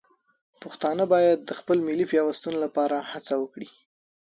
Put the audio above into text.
پښتانه باید د خپل ملي پیوستون لپاره هڅه وکړي.